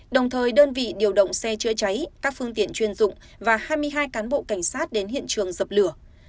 đồng thời đơn vị điều động xe chữa cháy các phương tiện chuyên dụng và hai mươi hai cán bộ cảnh sát đến hiện trường dập lửa